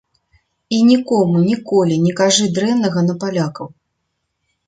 І нікому ніколі не кажы дрэннага на палякаў.